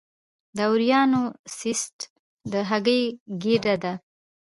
د اووریان سیسټ د هګۍ ګېډه ده.